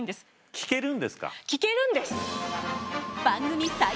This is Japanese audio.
聞けるんです！